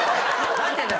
何やってんだよ？